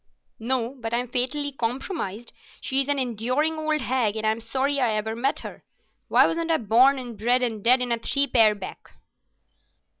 "No, but I'm fatally compromised. She's an enduring old hag, and I'm sorry I ever met her. Why wasn't I born and bred and dead in a three pair back?"